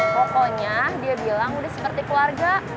pokoknya dia bilang udah seperti keluarga